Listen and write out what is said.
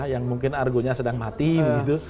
yang mungkin argonya sedang mati begitu